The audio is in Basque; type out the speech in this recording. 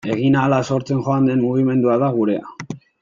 Egin ahala sortzen joan den mugimendua da gurea.